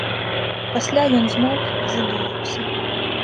Пасля ён змоўк і задумаўся.